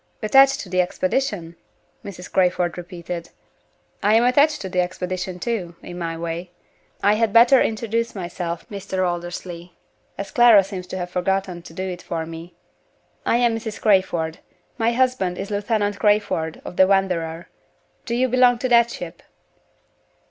"Attached to the expedition?" Mrs. Crayford repeated. "I am attached to the expedition too in my way. I had better introduce myself, Mr. Aldersley, as Clara seems to have forgotten to do it for me. I am Mrs. Crayford. My husband is Lieutenant Crayford, of the Wanderer. Do you belong to that ship?"